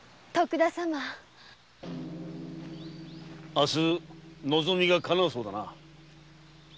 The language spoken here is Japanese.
明日望みがかなうそうだな。